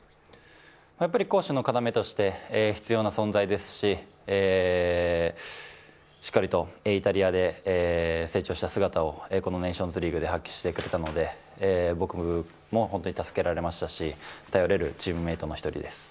攻守の要として必要な存在ですししっかりとイタリアで成長した姿をこのネーションズリーグで発揮してくれたので、僕も本当に助けられましたし、頼れるチームメイトの一人です。